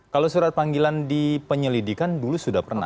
kalau surat panggilan dipenyelidikan dulu sudah pernah